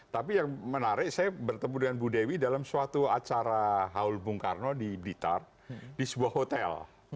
tapi yang menarik saya bertemu dengan bu dewi dalam suatu acara haul bung karno di blitar di sebuah hotel